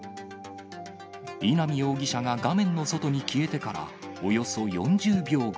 稲見容疑者が画面の外に消えてから、およそ４０秒後。